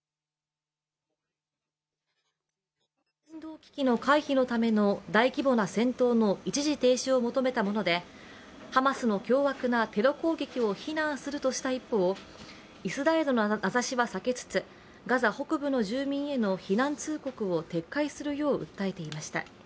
危機の回避のための大規模な戦闘の一時停止を求めたものでハマスの凶悪なテロ攻撃を非難するとした一方、イスラエルの名指しは避けつつガザ北部の住民への避難通告を撤回するよう訴えていました。